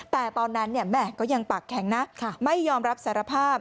แต่ตอนนั้นแม่ก็ยังปากแข็งนะไม่ยอมรับสารภาพ